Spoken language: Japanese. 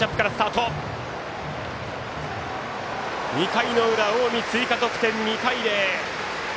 ２回の裏、近江追加得点２対０。